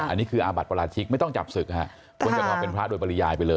อันนี้คืออาบัตรพระราชิกไม่ต้องจับศึกนะคะ